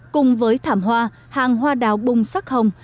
cùng với thảm hoa hàng hoa đào bung sắc hồng